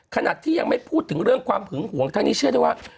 ขณะที่ยังไม่พูดถึงเรื่องความหึงหวงทั้งนี้เชื่อได้ว่า